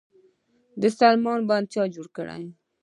د سلما بند چا جوړ کړ؟